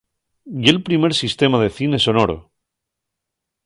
Ye'l primer sistema de cine sonoro.